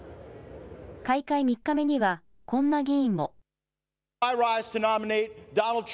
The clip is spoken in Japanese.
開会３日目にはこんな議員も。